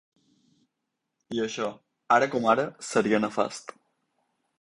I això, ara com ara, seria nefast.